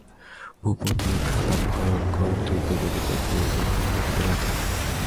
ভূপতির খাতা ভয়ংকর দ্রুতগতিতে পূর্ণ হইয়া উঠিতে লাগিল।